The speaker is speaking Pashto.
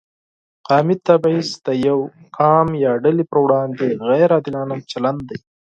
قومي تبعیض د یو قوم یا ډلې پر وړاندې غیر عادلانه چلند دی.